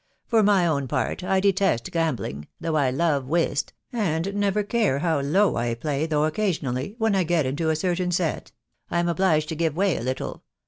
... For my own part, I detest gambling, though I love whist, and never care how low I play .... though occasionally, when 1 get into a certain set, I am obliged to give way a little